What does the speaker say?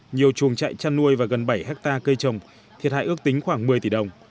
nhiều chuồng trại chăn nuôi và gần bảy hectare cây trồng thiệt hại ước tính khoảng một mươi tỷ đồng